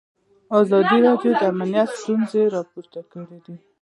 ازادي راډیو د امنیت ستونزې راپور کړي.